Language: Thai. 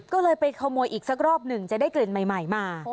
ก็เลยไปขโมยอีกสักรอบหนึ่งจะได้กลิ่นใหม่มา